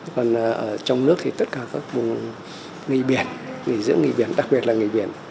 còn ở trong nước thì tất cả các vùng nghỉ biển nghỉ dưỡng nghỉ biển đặc biệt là nghỉ biển